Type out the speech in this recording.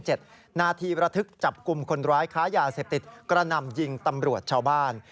นาทีระทึกจับกลุ่มคนร้ายค้ายาเสพติดกระหน่ำยิงตำรวจชาวบ้าน